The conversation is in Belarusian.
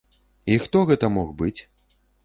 І хто гэта мог быць?